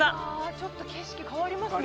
ちょっと景色変わりますね